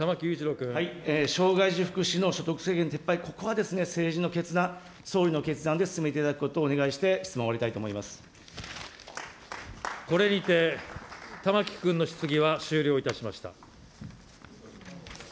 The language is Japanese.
障害児福祉の所得制限の撤廃、ここは政治の決断、総理の決断で進めていただくことをお願いして、質問を終わりたいこれにて、玉木君の質疑は終了いたしました。